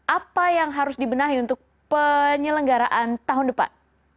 apa yang harus dibenahi untuk penyelenggaraan tahun depan